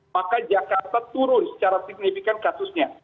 maka jakarta turun secara signifikan kasusnya